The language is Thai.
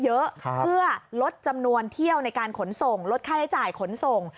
เยอะเพื่อลดจำนวนเที่ยวในการขนส่งลดค่าใช้จ่ายขนส่ง